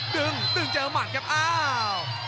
ดึงดึงเจอหมัดครับอ้าว